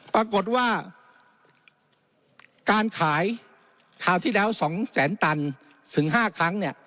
ปรากฏว่าการขายคราวที่แล้ว๒แสนตันถึง๕ครั้งเนี่ย